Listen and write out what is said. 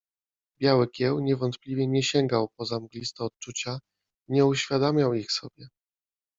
Biały Kieł niewątpliwie nie sięgał poza mgliste odczucia, nie uświadamiał ich sobie.